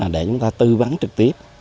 để chúng ta tư vấn trực tiếp